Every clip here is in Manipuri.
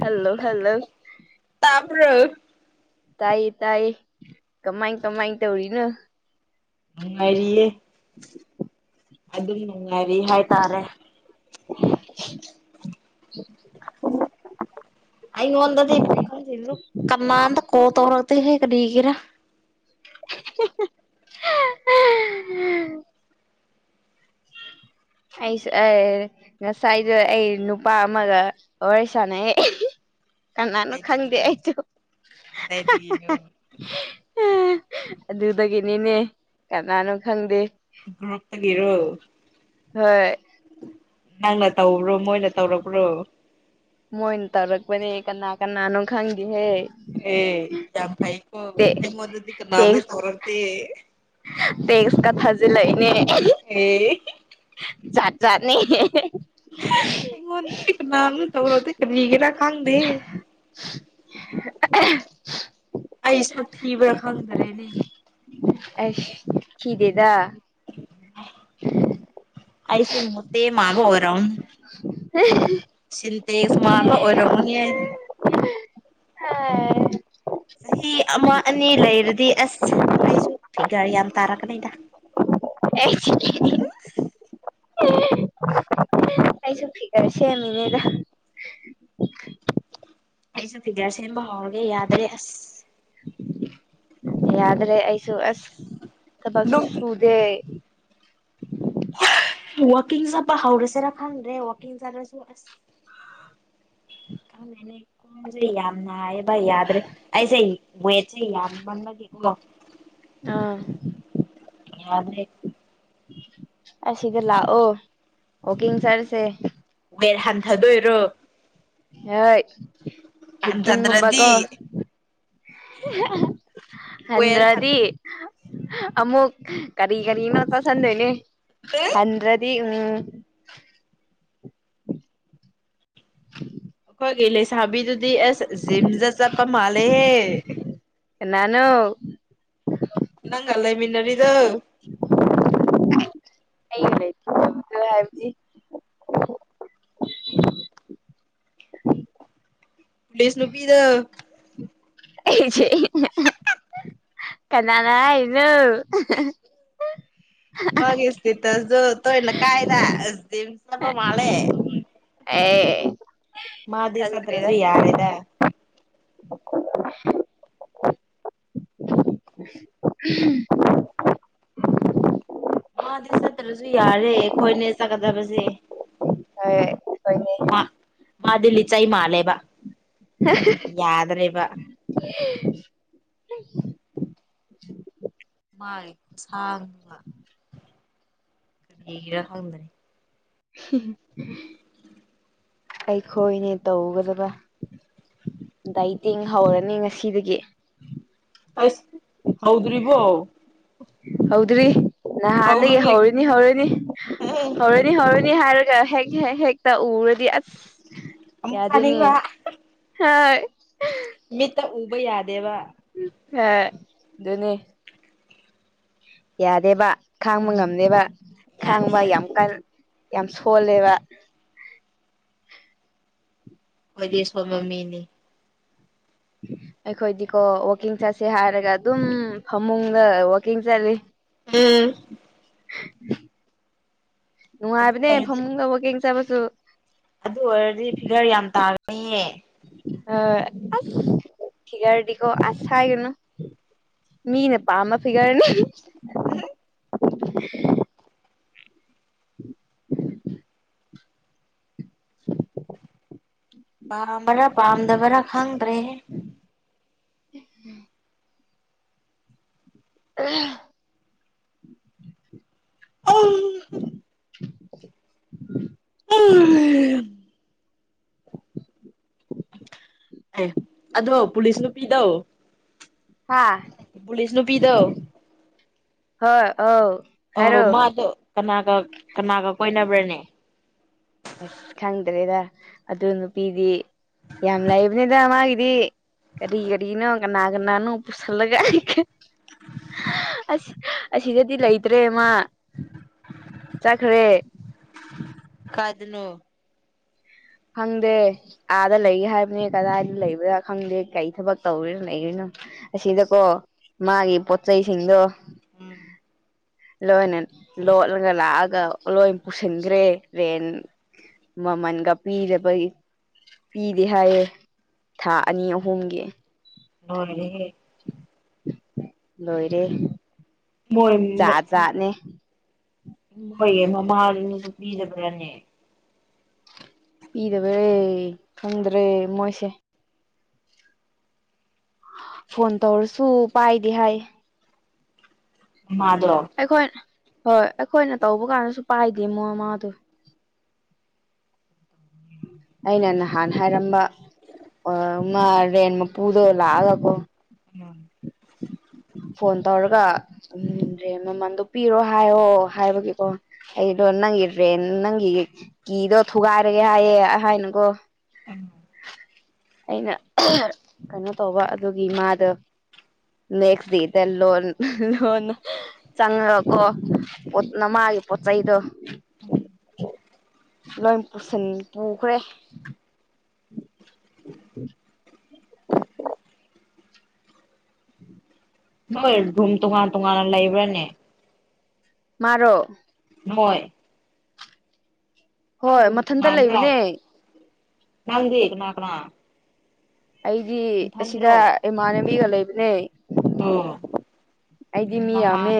ꯍꯜꯂꯣ ꯍꯜꯂꯣ ꯇꯥꯕ꯭ꯔꯣ ꯇꯥꯏꯌꯦ ꯇꯥꯏꯌꯦ ꯀꯃꯥꯏ ꯀꯃꯥꯏ ꯇꯧꯔꯤꯅꯣ ꯅꯨꯡꯉꯥꯏꯔꯤꯌꯦ ꯑꯗꯨꯝ ꯅꯨꯡꯉꯥꯏꯔꯤ ꯍꯥꯏꯇꯥꯔꯦ ꯎ ꯑꯩꯟꯟꯗꯤ ꯄꯗꯤ ꯏꯣ ꯀꯃꯟ ꯀꯣ ꯇꯧꯔꯗꯤ ꯍꯦꯒ ꯅꯒꯔ [unintelligible] [inaudible] ꯑꯩꯁ ꯉꯁꯥꯏꯗ ꯑꯩ ꯅꯨꯄꯥ ꯑꯃꯒ ꯋꯥꯔꯤ ꯁꯥꯟꯅꯩ ꯀꯅꯥꯅꯣ ꯈꯪꯗꯦ ꯀꯗꯥꯏꯗꯒꯤꯅꯣ ꯑꯩꯁꯨ ꯀꯗꯥꯏꯗꯒꯤꯅꯣ ꯑꯗꯨꯗꯒꯤꯅꯤꯅꯦ ꯀꯅꯥꯅꯣ ꯈꯪꯗꯦ ꯔꯒꯦꯔꯣ ꯍꯣꯏ ꯅꯪꯅ ꯇꯧꯕ꯭ꯔꯣ ꯃꯣꯏꯅ ꯇꯧꯔꯕ꯭ꯔꯣ ꯃꯣꯏꯅ ꯇꯧꯔꯛꯄꯅꯦ ꯀꯅꯥ ꯀꯅꯥꯅꯣ ꯈꯪꯒꯦꯍꯦ ꯑꯦ ꯌꯥꯝ ꯐꯥꯏꯀꯣ ꯑꯩ ꯃꯗꯤ ꯀꯅꯥꯅ ꯇꯧꯔꯗꯤ ꯇꯦꯛꯁ ꯀꯊꯥꯖꯤ ꯂꯩꯅꯦ ꯑꯦ ꯆꯠ ꯆꯥꯠꯅꯤ ꯉꯅꯥ ꯇꯧꯔꯣ ꯀꯒꯦꯔ ꯈꯗꯦ [inaudible] ꯑꯩ ꯁꯥꯊꯤꯕ꯭ꯔꯥ ꯈꯪꯗꯔꯦꯅꯦ ꯑꯁ ꯈꯤꯗꯦꯗ ꯑꯩꯁꯦ ꯃꯠꯇ ꯃꯥꯕꯨ ꯑꯣꯏꯔꯨ ꯁꯤꯟꯇꯦꯛ ꯁ ꯃꯥꯟꯕ ꯑꯣꯏꯔꯝꯒꯨꯅꯦ ꯍꯥꯏ ꯍ ꯆꯍꯤ ꯑꯃ ꯑꯅꯤ ꯂꯩꯔꯗꯤ ꯑꯁ ꯑꯩꯁꯨ ꯐꯤꯒꯔ ꯌꯥꯝ ꯇꯥꯔꯛꯀꯅꯤꯗ [inaudible] ꯀꯩꯁꯨ ꯐꯤꯀꯔ ꯁꯦꯝꯃꯤ ꯏꯅꯦꯗ ꯑꯩꯁꯨ ꯐꯤꯒꯔ ꯁꯦꯝꯕ ꯍꯧꯔꯒꯦ ꯌꯥꯗ꯭ꯔꯦ ꯑꯁ ꯌꯥꯗ꯭ꯔꯦ ꯑꯩꯁꯨ ꯑꯁ ꯊꯕꯛꯁꯨ ꯅꯨꯡꯇꯤ ꯁꯨꯗꯦ ꯋꯥꯀꯤꯡ ꯆꯕ ꯍꯧꯎꯔꯁꯦꯔ ꯈꯪ꯭ꯔꯦ ꯋꯥꯀꯤꯡ ꯆꯗ꯭ꯔꯁꯨ ꯑꯁ ꯈꯅꯦ ꯀꯣꯟꯁꯦ ꯌꯥꯝꯅ ꯍꯥꯏꯕ ꯌꯥꯗ꯭ꯔꯦ ꯑꯩꯁꯦ ꯋꯦꯠꯁꯦ ꯌꯥꯝꯃꯟꯕꯒꯤ ꯎ ꯑꯥ ꯌꯥꯗ꯭ꯔꯦ ꯑꯁꯤꯗ ꯂꯥꯛꯑꯣ ꯑꯣꯀꯡ ꯁꯥꯔꯁꯦ ꯕꯦꯠ ꯍꯟꯊꯗꯣꯏꯔꯣ ꯍꯣꯏ ꯍꯟꯊꯗ꯭ꯔꯗꯤ ꯍꯤꯀꯤꯡꯒꯨꯝꯕꯀꯣ ꯋꯦꯠ ꯍꯗ꯭ꯔꯗꯤ ꯍꯟꯊ ꯑꯃꯨꯛ ꯀꯔꯤ ꯀꯔꯤꯅꯣ ꯆꯁꯤꯟꯗꯣꯏꯅꯦ ꯍꯟꯗ꯭ꯔꯗꯤ ꯎꯝ [inaudible] ꯑꯩꯈꯣꯏꯒꯤ ꯂꯩꯁꯥꯕꯤꯗꯨꯗꯤ ꯑꯁ ꯖꯤꯝꯗ ꯆꯠꯄ ꯃꯥꯜꯂꯦꯍꯦ ꯅꯅꯣ [inaudible] ꯅꯪ ꯂꯩ ꯃꯤꯟꯅꯔꯤꯗ ꯂꯩ ꯍꯥꯏꯕ [unintelligible] [inaudible] ꯄꯨꯂꯤꯁ ꯅꯨ ꯄꯗ ꯑꯩꯁꯦ ꯀꯅꯥꯅꯥ ꯏꯅ ꯎ [unintelligible] [inaudible] ꯃꯒꯤ ꯏꯁꯇ ꯇꯁ ꯇꯣ ꯏꯅ ꯀꯥꯏꯗꯁꯄ ꯃꯥꯂꯦ ꯑꯦ ꯃꯥꯗꯤ ꯈꯪꯗ꯭ꯔꯦꯗ ꯁꯗ꯭ꯔꯁꯨ ꯌꯥꯔꯦꯗ [unintelligible] [inaudible] [unintelligible] [inaudible] ꯃꯥꯗꯤ ꯆꯠꯇ꯭ꯔꯁꯨ ꯌꯥꯔꯦ ꯑꯩꯈꯣꯏꯅꯦ ꯆꯠꯀꯗꯕꯁꯦ ꯀ [unintelligible] [inaudible] ꯃꯥꯗꯤꯜꯂꯤ ꯆꯥꯏ ꯃꯥꯂꯦꯕ ꯌꯥꯗ꯭ꯔꯦꯕ [unintelligible] [inaudible] ꯃꯥꯏ ꯁꯥꯡꯕ ꯀꯔ ꯍꯣꯗꯅꯤ [unintelligible] [inaudible] ꯑꯩꯈꯣꯏꯅꯦ ꯇꯧꯒꯗꯕ ꯗꯥꯩꯇꯦꯡ ꯍꯧꯔꯅꯤ ꯉꯁꯤꯗꯒꯤ ꯑꯁ ꯍꯥꯎꯗ꯭ꯔꯤꯔꯤꯕꯣ ꯍꯗ꯭ꯔꯤ ꯅ ꯍꯥꯟꯗꯗꯒꯤ ꯍꯧꯔꯤꯅꯤ ꯀꯔꯤꯔ ꯍꯧꯔꯅꯤ ꯑꯦ ꯍꯧꯔꯅꯤ ꯍꯧꯅꯤ ꯅꯤ ꯍꯥꯏꯔꯒ ꯍꯦꯛ ꯍꯦꯛ ꯍꯦꯛꯇ ꯎꯔꯗꯤ ꯑꯃꯨꯛ ꯌꯥꯗꯅꯤ ꯆꯥꯅꯤꯡꯕ ꯍ [inaudible] ꯃꯤꯠꯇ ꯎꯕ ꯌꯥꯗꯦꯕ ꯍ ꯑꯗꯨꯅꯤ ꯌꯥꯔꯦꯕ ꯈꯥꯡꯕ ꯉꯝꯅꯦꯕ ꯌꯥꯗꯦ ꯈꯥꯡꯕ ꯌꯥꯝ ꯌꯥꯗꯦ ꯀꯜ ꯌꯥꯝ ꯁꯣꯜꯂꯦꯕ ꯑꯣꯏꯣꯏꯗꯤ ꯁ ꯃꯃꯤꯅꯤ ꯑꯩꯈꯣꯏꯗꯤꯀꯣ ꯋꯀꯤꯡ ꯆꯠꯁꯦ ꯍꯥꯏꯔꯒ ꯑꯗꯨꯝ ꯐꯃꯨꯡꯗ ꯋꯀꯤꯡ ꯆꯠꯂꯤ ꯎꯝ ꯑꯗꯨ ꯅꯉꯥꯏꯕꯅꯦ ꯑꯣꯏꯔꯗꯤ ꯐꯝꯃꯨꯡ ꯀꯕ ꯀꯦꯡ ꯆꯕꯁꯨ ꯑꯗꯨ ꯑꯣꯏꯔꯗꯤ ꯐꯤꯒꯔ ꯌꯥꯝ ꯇꯥꯒꯅꯤꯌꯦ ꯑ ꯊꯗꯤꯀꯣ ꯑꯁ ꯍꯥꯏꯥꯏ ꯀꯅꯣ ꯃꯤꯅꯦ ꯄꯥꯝꯃ ꯐꯤꯒꯔꯅꯦ ꯎꯝ [unintelligible] [inaudible] ꯁꯤ [unintelligible] [inaudible] ꯄꯥꯝꯕ꯭ꯔꯥ ꯄꯥꯝꯗꯕꯔꯥ ꯈꯪꯗ꯭ꯔꯦꯍ ꯍ ꯎ [unintelligible] [inaudible] [unintelligible] [inaudible] ꯑꯦ ꯑꯗꯣ ꯄꯨꯂꯤꯁ ꯅꯨꯄꯤꯗ ꯍꯥ ꯄꯨꯂꯤꯁꯅ ꯄꯤꯗꯣ ꯍꯣꯏ ꯑꯧ ꯑꯣ ꯍꯥꯏꯔꯣ ꯃꯥꯗꯣ ꯀꯅꯥꯒ ꯀꯅꯥꯒ ꯀꯣꯏꯅꯕ꯭ꯔꯅꯦ ꯑꯁ ꯈꯪꯗ꯭ꯔꯦꯗ ꯑꯗꯨ ꯅꯨꯄꯤꯗꯤ ꯌꯥꯝ ꯂꯥꯏꯕꯅꯤꯗ ꯃꯥꯒꯤꯗꯤ ꯀꯔꯤ ꯀꯔꯤꯅꯣ ꯅꯥꯒꯅꯥꯅꯨ ꯄꯨꯁꯜꯂꯒꯥꯏ [unintelligible] [inaudible] ꯑꯁ ꯑꯁꯤꯗꯗꯤ ꯂꯩꯇ꯭ꯔꯦꯃ ꯆꯠꯈ꯭ꯔꯦ ꯀꯗꯅ ꯈꯪꯗꯦ ꯑꯥꯗ ꯂꯩꯒ ꯍꯥꯏꯕꯅꯦ ꯀꯗꯥꯏꯗ ꯂꯩꯕ꯭ꯔꯥ ꯈꯪꯗꯦ ꯀꯔꯤ ꯊꯕꯛ ꯇꯧꯔꯤꯅꯣ ꯂꯩꯔꯤꯅꯣ ꯑꯁꯤꯗꯀꯣ ꯃꯥꯒꯤ ꯄꯣ ꯆꯩꯁꯤꯡꯗꯣ ꯂꯣꯏꯅ ꯂꯣꯠꯂꯒ ꯂꯥꯛꯑꯒ ꯂꯣꯏ ꯄꯨꯁꯤꯟꯈ꯭ꯔꯦ ꯔꯦꯟ ꯃꯃꯜꯒ ꯄꯤꯒꯤ ꯄꯤꯗꯦ ꯍꯥꯏꯌꯦꯦ ꯊꯥ ꯑꯅꯤ ꯑꯍꯨꯝꯒꯤ ꯂꯣꯏꯔꯦꯍꯦ ꯂꯣꯏꯔꯦ ꯃꯣꯏꯣꯏ ꯖꯥꯠ ꯖꯥꯠꯅꯦ ꯃꯣꯏꯌꯦ ꯃꯃꯥꯅꯁꯨ ꯄꯤꯗꯕ꯭ꯔꯥꯅꯦ ꯄꯤꯗꯕꯔꯦ ꯈꯪꯗ꯭ꯔꯦ ꯃꯣꯏꯁꯦ ꯐꯣꯟ ꯇꯧꯔꯁꯨ ꯄꯥꯏꯗꯤ ꯍꯥꯏ ꯑꯗꯣ ꯑꯩꯈꯣꯏ ꯍꯣꯏ ꯑꯩꯈꯣꯏꯅ ꯇꯧꯕ ꯀꯥꯟꯗꯁꯨ ꯄꯥꯏꯗꯦ ꯃꯣꯏꯃꯗ ꯑꯩꯅ ꯅꯍꯥꯟ ꯍꯥꯏꯔꯝꯕ ꯃꯔ ꯔꯦꯟ ꯃꯄꯨꯗꯣ ꯂꯥꯛꯑꯒꯀꯣ ꯐꯣꯟ ꯇꯧꯔꯒꯗ꯭ꯔꯦ ꯃꯃꯜꯗꯨ ꯄꯄꯤꯔꯣ ꯍꯥꯏꯌꯣ ꯍꯥꯏꯕꯒꯤꯀꯣ ꯑꯩꯗꯣ ꯅꯪꯒꯤ ꯗ꯭ꯔꯦꯟ ꯅꯪꯒꯤ ꯀꯤꯗꯣ ꯊꯨꯒꯥꯏꯔꯒꯦ ꯍꯥꯏꯌꯦꯦ ꯍꯥꯏꯅꯀꯣ ꯑꯝ ꯑꯩꯅ ꯀꯩꯅꯣ ꯇꯧꯕ ꯑꯗꯨꯒꯤ ꯏ ꯃꯥꯗꯣ ꯅꯦꯛꯁ ꯗ ꯂꯣꯟ ꯂꯣꯟꯣꯟ ꯆꯀꯣ ꯄꯆꯥꯏꯗ ꯂꯣꯏ ꯄꯨꯁꯤꯟ ꯄꯨꯈ꯭ꯔꯦ ꯎꯝ ꯍꯣꯏ ꯨꯝ ꯇꯣꯉꯥꯟ ꯇꯣꯉꯥꯟꯅ ꯂꯩꯕ꯭ꯔꯥꯅꯦ ꯃꯥꯔꯣ ꯅꯣꯏ ꯍꯣꯏ ꯅꯟꯅꯥ ꯃꯊꯟꯇ ꯂꯩꯕꯅꯦ ꯀꯅꯥ ꯑꯩꯗꯤ ꯑꯁꯤꯗ ꯅꯊꯟꯗ꯭ꯔꯣ ꯏꯃꯥꯟꯅꯕꯤꯒ ꯂꯩꯕꯅꯦ ꯑꯩꯗꯤ ꯃꯤ ꯍ ꯎꯝ ꯌꯥꯝꯃꯦ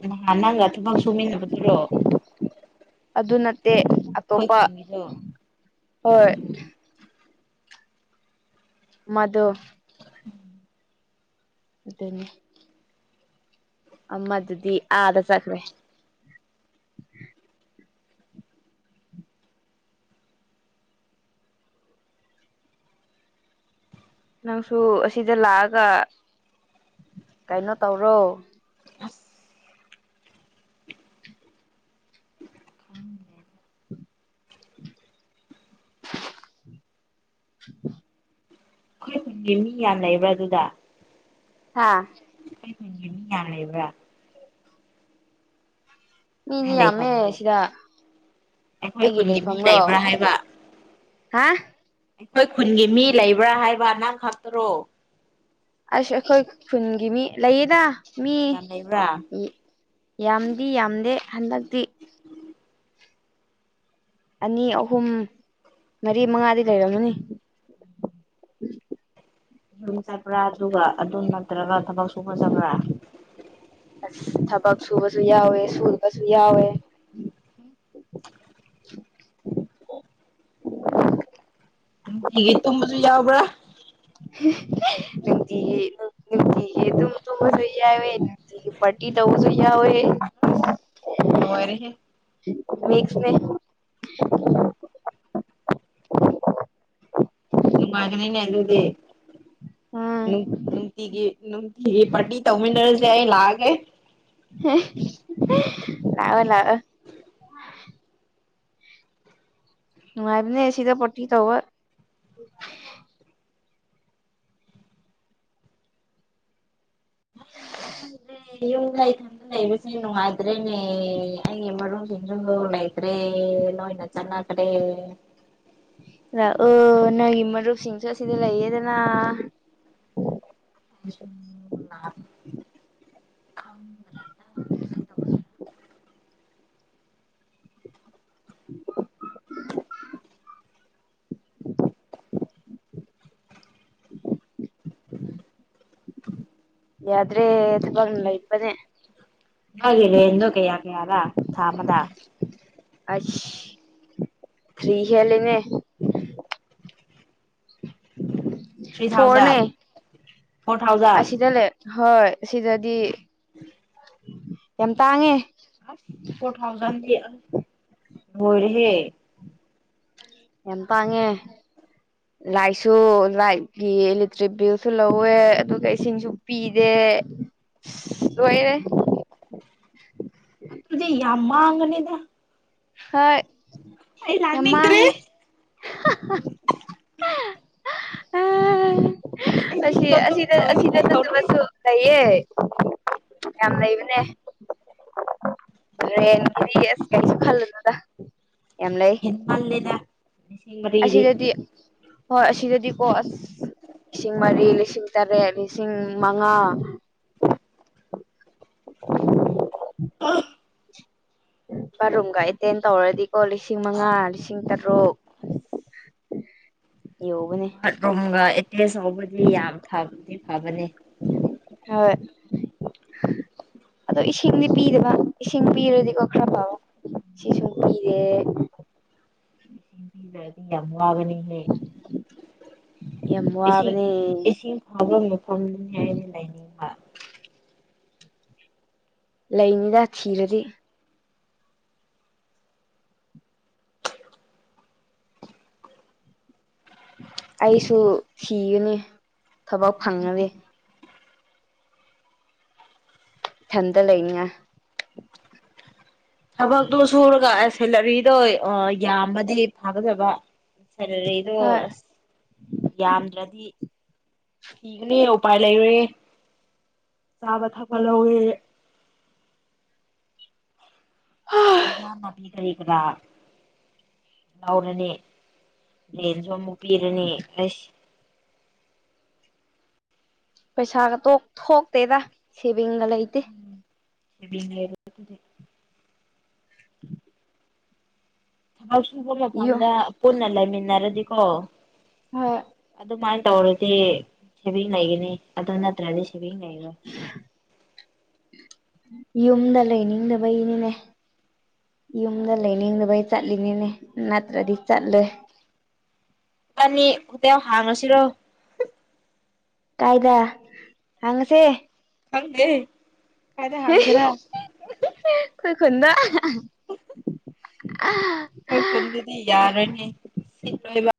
ꯅꯥꯟ ꯅꯥꯟ ꯅꯪꯒ ꯊꯕꯛ ꯁꯨꯃꯤꯟꯅꯕꯗꯨꯔꯣ ꯑꯗꯨ ꯅꯠꯇꯦ ꯑꯩꯈꯣꯏ ꯑꯇꯣꯞꯄ ꯈꯨꯟꯒꯤꯗꯣ ꯍꯣꯏ ꯃꯗꯨ ꯑꯗꯨꯗꯅꯤ ꯃꯗꯨꯗꯤ ꯑꯥꯗ ꯆꯠꯈ꯭ꯔꯦ ꯅꯪꯁꯨ ꯑꯁꯤꯗ ꯂꯥꯛꯑꯒ ꯀꯩꯅꯣ ꯇꯧꯔꯣ ꯑ ꯈꯪꯗꯦ [unintelligible] ꯑꯩꯈꯣꯏꯒꯤ ꯃꯤ ꯌꯥꯝ ꯂꯩꯕ꯭ꯔꯥ ꯑꯗꯨꯗ ꯍꯥꯥ ꯊꯅꯤ ꯌꯥ ꯂꯩꯕ ꯃꯤꯗꯤ ꯅꯪ ꯌꯥꯝꯃꯦ ꯂꯩꯐꯝꯗꯣ ꯁꯤꯗ ꯑꯩꯈꯣꯏ ꯑꯩꯒꯤ ꯈꯨꯟꯒꯤ ꯃꯤ ꯂꯩꯐꯝꯔꯣ ꯂꯩꯕ꯭ꯔꯥ ꯍꯥꯏꯕ ꯍꯥ ꯑꯩꯈꯣꯏ ꯈꯨꯟꯒꯤ ꯃꯤ ꯂꯩꯕ꯭ꯔꯥ ꯍꯥꯏꯕ ꯅꯪ ꯈꯥꯛꯛꯇꯔꯣ ꯑꯁ ꯑꯩꯈꯣꯏ ꯈꯨꯟꯒꯤ ꯃꯤ ꯂꯩꯌꯦꯗ ꯃꯤ ꯌꯥꯝ ꯂꯩꯕ꯭ꯔꯥ ꯌꯥꯝꯗꯤ ꯌꯥꯝꯗꯦ ꯍꯟꯗꯛꯇꯤ ꯑꯅꯤ ꯑꯍꯨꯝ ꯃꯔꯤ ꯃꯉꯥꯗꯤ ꯂꯩꯔꯝꯃꯅꯤ ꯎꯝ ꯌꯨꯝ ꯆꯠꯄ꯭ꯔꯥ ꯑꯗꯨꯒ ꯑꯗꯨꯝ ꯅꯠꯇ꯭ꯔꯒ ꯊꯕꯛ ꯁꯨꯕ ꯆꯠꯕ꯭ꯔꯥ ꯊꯕꯛ ꯁꯨꯕꯁꯨ ꯌꯥꯎꯋꯦ ꯁꯨꯕꯁꯨ ꯌꯥꯎꯋꯦ ꯒꯤ ꯇꯨꯝꯕꯁꯨ ꯌꯥꯎꯕ꯭ꯔꯥ [unintelligible] ꯅꯨꯡꯇꯤꯒꯤꯦ ꯅꯨꯡꯇꯤꯒꯤ ꯑꯗꯨꯝ ꯇꯣꯡꯉꯁꯨ ꯌꯥꯎꯋꯦ ꯅꯨꯡꯇꯤꯒꯤ ꯄꯥꯔꯇꯤ ꯇꯧꯕꯁꯨ ꯌꯥꯎꯋꯦ ꯔꯦ ꯍꯦ ꯃꯁ ꯅꯨꯡꯉꯥꯏꯒꯅꯤꯅꯦ ꯑꯗꯨꯗꯤ ꯎꯝ ꯅꯨꯡꯇꯤꯒꯤ ꯄꯇꯤ ꯇꯧꯃꯤꯗꯔ ꯌꯥꯏ ꯂꯒꯦ ꯂꯑꯣꯣ ꯂꯑꯣꯣ ꯅꯅꯨꯡꯉꯥꯏꯕꯅꯦ ꯁꯤꯗ ꯄꯇꯤ ꯇꯧꯕ ꯌꯨꯝ ꯂꯩ ꯂꯩ ꯈꯗ ꯂꯩꯕꯁꯦ ꯅꯨꯡꯗ ꯃꯦꯅꯦ ꯑꯦ ꯃꯔꯔꯣꯡꯒꯦ ꯥꯏꯇꯔꯤ ꯅꯣ ꯏꯅ ꯆꯅꯥ ꯀꯔ ꯂꯥꯛꯑꯣ ꯅꯪꯒꯤ ꯃꯔꯨꯞꯁꯤꯡꯁꯨ ꯑꯁꯤꯗ ꯂꯩꯌꯦꯗꯅ [unintelligible] ꯈꯗ꯭ꯔꯦ ꯂꯉꯥꯏ ꯇꯧꯁꯤꯦꯔ [unintelligible] ꯌꯥ꯭ꯔꯦ ꯒꯂꯣ ꯀꯌꯥ ꯀꯌꯥꯗ ꯊꯥꯃꯗ ꯑ ꯐꯔꯤ ꯍꯂꯅꯦ ꯊ꯭ꯔꯤ ꯐꯣꯔꯅꯦ ꯊꯥꯎꯖꯟ ꯐꯣꯔ ꯊꯥꯎꯖꯟ ꯑꯁꯤꯗ ꯂꯩ ꯍꯣꯏ ꯁꯤꯗꯗꯤ ꯎꯝ ꯌꯥꯝ ꯇꯥꯡꯉꯦ ꯐꯣꯔ ꯊꯥꯎꯖꯟꯣꯏꯔꯍꯦ ꯑꯦ ꯇꯥꯉꯦ ꯂꯥꯏꯁꯨ ꯂꯥꯏꯠꯒꯤ ꯏꯂꯦꯛꯇ꯭ꯔꯤꯛ ꯕꯤꯜꯁꯨ ꯂꯧꯋꯦ ꯑꯗꯨꯒ ꯏꯁꯤꯡꯁꯨ ꯄꯤꯗꯦ ꯑꯣꯏꯣꯏꯔꯦ ꯑꯗꯨꯗꯤꯦ ꯌꯥꯝ ꯃꯥꯡꯒꯅꯤꯗ ꯍ ꯑꯩ ꯂꯅꯤꯗ꯭ꯔꯔꯤ [unintelligible] ꯑ ꯑꯩ ꯑꯁꯤ ꯌꯨꯝꯗ ꯑꯗꯨꯝ ꯑꯁꯤꯗ ꯑꯁꯤꯗ ꯂꯩꯍꯧꯔꯒꯦ ꯅꯠꯇꯕꯁꯨ ꯂꯩꯌꯦ ꯌꯥꯝ ꯂꯩꯕꯅꯦ ꯔꯦꯟꯅꯤ ꯑꯁ ꯀꯩꯁꯨ ꯈꯜꯂꯅ ꯌꯥꯝ ꯂꯩ ꯍꯦꯟꯃꯜꯂꯦꯗ ꯂꯤꯁꯤꯡ ꯃꯔꯤꯗꯤ ꯑꯁꯤꯗꯗꯤ ꯍꯣꯏ ꯑꯁꯤꯗꯗꯤꯀꯣ ꯑꯁ ꯂꯤꯁꯤꯡ ꯃꯔꯤ ꯂꯤꯁꯤꯡ ꯇꯔꯦꯠ ꯂꯤꯁꯤꯡ ꯃꯉꯥ ꯎ ꯕꯥꯠꯔꯨꯝꯒ ꯑꯦꯇꯦꯟ ꯇꯧꯔꯗꯤꯀꯣ ꯂꯤꯁꯤꯡ ꯃꯉꯥ ꯂꯤꯁꯤꯡ ꯇꯔꯨꯛ ꯌꯒꯅꯦ ꯇꯦꯁ ꯍꯧꯕꯗꯤ ꯌꯥꯝ ꯐꯗꯤ ꯐꯕꯅꯤ ꯍꯣꯏ ꯑꯗꯣ ꯏꯁꯤꯡꯗꯤ ꯄꯤꯗꯕ ꯏꯁꯤꯡ ꯄꯤꯔꯗꯤꯀꯣ ꯈꯔ ꯄꯥꯎ ꯁꯤ ꯁꯨꯝ ꯄꯤꯔꯦ [unintelligible] ꯌꯥꯝꯃꯕꯅꯤ ꯂꯩꯦ ꯌꯥꯝ ꯏꯁꯤꯡ ꯋꯥꯕꯅꯦ ꯏꯁꯤꯡ ꯐꯥꯎꯕ ꯃꯐꯝꯐꯝꯗꯨꯅꯤ ꯍꯥꯏꯅꯤ ꯂꯥꯏꯅꯤꯡꯕ ꯂꯩꯅꯤꯗ ꯊꯤꯔꯗꯤ ꯑꯩꯁꯨ ꯊꯤꯒꯅꯤ ꯊꯕꯛ ꯐꯪꯉꯗꯤꯦ ꯊꯟꯗ ꯂꯩꯉ ꯊꯕꯛꯇꯣ ꯁꯨꯔꯒ ꯁꯦꯂꯔꯤꯗꯣ ꯌꯥꯝꯃꯗꯤ ꯐꯒꯗꯕ ꯁꯦꯂꯔꯤꯗꯣ ꯍꯣꯏ ꯑꯁ ꯌꯥꯝꯗ꯭ꯔꯗꯤ ꯊꯤꯒꯅꯦ ꯎꯄꯥꯏ ꯂꯩꯔꯦ ꯆꯥꯕ ꯊꯄꯂꯧꯋꯦ ꯑꯟꯏꯟꯇꯦꯜꯂꯤꯖꯦꯕꯜ ꯂꯧꯎꯔꯅꯤ ꯔꯦꯟꯁꯨ ꯑꯃꯨꯛ ꯄꯤꯔꯅꯤ ꯑꯁ ꯄꯩꯁꯥꯒ ꯇꯣꯛ ꯊꯣꯛꯇꯦꯗ ꯁꯦꯚꯤꯡꯒ ꯂꯩꯇꯦ ꯑꯟꯏꯟꯇꯦꯜꯂꯤꯖꯦꯕꯜ ꯑꯟꯑꯣꯗꯤꯕꯜ ꯍꯥꯎꯆꯕ ꯌꯨꯝ ꯃꯐꯝꯗ ꯄꯨꯟꯅ ꯂꯩꯃꯤꯟꯅꯔꯗꯤꯀꯣ ꯑꯗꯨꯃꯥꯏꯅ ꯇꯧꯔꯗꯤ ꯁꯦꯚꯤꯡ ꯂꯩꯒꯅꯤ ꯑꯗꯨ ꯅꯠꯇ꯭ꯔꯗꯤ ꯁꯦꯚꯤꯡ ꯂꯩꯔꯣꯏ ꯌꯨꯝꯗ ꯂꯩꯅꯤꯡꯗꯕꯩꯅꯤꯅꯦ ꯌꯨꯝꯗ ꯂꯩꯅꯤꯡꯗꯕꯩ ꯆꯠꯂꯤꯅꯤꯅꯦ ꯅꯠꯇ꯭ꯔꯗꯤ ꯆꯠꯂꯣꯏ ꯀꯅꯤ ꯍꯣꯇꯦꯜ ꯍꯥꯡꯉꯁꯤꯔꯣ ꯀꯥꯏꯗ ꯍꯥꯡꯉꯁꯦ ꯈꯪꯗꯦ ꯀꯥꯏꯗ ꯍꯪꯖꯤꯔꯣ ꯈꯣꯏ ꯈꯨꯟꯗ ꯑꯍꯑꯍ ꯍꯣꯏ ꯈꯨꯟꯗꯨꯗꯤ ꯌꯥꯔꯣꯏꯅꯦ ꯁꯤꯠꯂꯣꯏꯕ